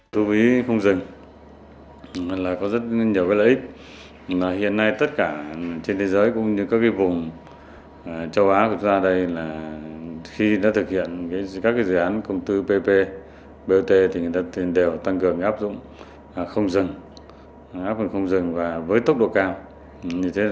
thu phí không dừng là có rất nhiều lợi ích